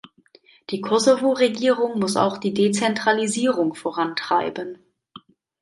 Die Kosovo-Regierung muss auch die Dezentralisierung vorantreiben.